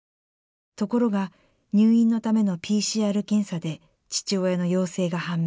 ところが入院のためのＰＣＲ検査で父親の陽性が判明。